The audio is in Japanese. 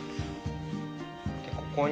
でここに。